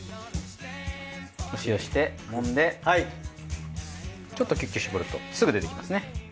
お塩して揉んでちょっとキュッキュ絞るとすぐ出てきますね。